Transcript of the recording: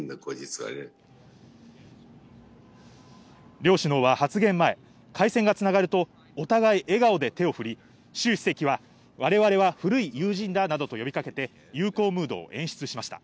両首脳は発言前、回線が繋がるとお互い笑顔で手を振り、シュウ主席は我々は古い友人だなどと呼びかけて、友好ムードを演出しました。